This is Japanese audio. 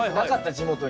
地元に。